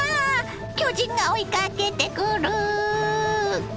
巨人が追いかけてくる！